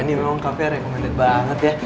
ini memang kabar recommended banget ya